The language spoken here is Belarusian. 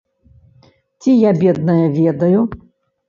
Ці я, бедная, ведаю?